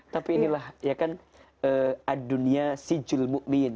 tapi inilah ya kan ad dunya sijil mu'min